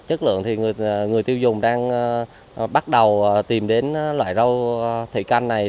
chất lượng thì người tiêu dùng đang bắt đầu tìm đến loại rau thủy canh này